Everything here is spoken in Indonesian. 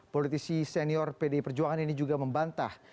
politisi senior pdi perjuangan ini juga membantah